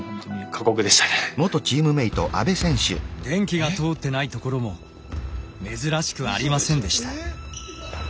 電気が通ってないところも珍しくありませんでした。